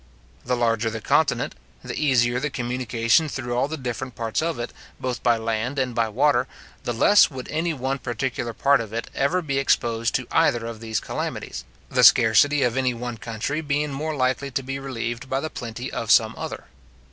The larger the continent, the easier the communication through all the different parts of it, both by land and by water, the less would any one particular part of it ever be exposed to either of these calamities, the scarcity of any one country being more likely to be relieved by the plenty of some other.